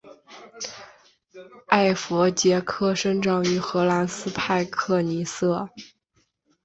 艾佛杰克生长于荷兰斯派克尼瑟。